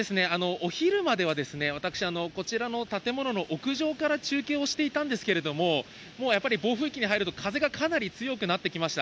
お昼までは私、こちらの建物の屋上から中継をしていたんですけれども、もうやっぱり暴風域に入ると風がかなり強くなってきました。